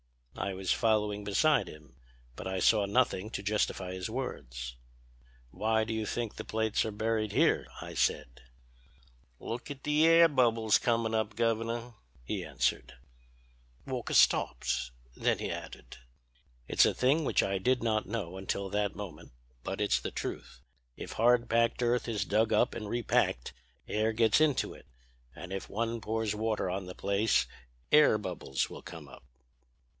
"I was following beside him, but I saw nothing to justify his words. "'Why do you think the plates are buried here?' I said. "'Look at the air bubbles comin' up, Governor,' he answered." Walker stopped, then he added: "It's a thing which I did not know until that moment, but it's the truth. If hard packed earth is dug up and repacked air gets into it, and if one pours water on the place air bubbles will come up."